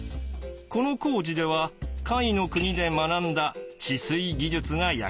この工事では甲斐国で学んだ治水技術が役立ちました。